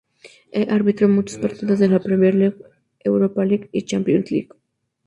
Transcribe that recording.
Ha arbitrado muchos partidos en la Premier League, Europa League y Champions League.